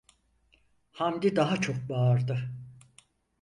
Hamdi daha çok bağırdı: